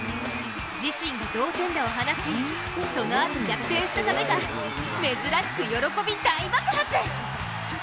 自身が同点打を放ちそのあと、逆転したためか珍しく、喜び大爆発。